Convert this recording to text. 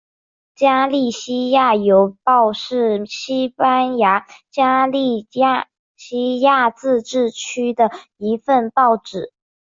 加利西亚邮报是西班牙加利西亚自治区的一份报纸。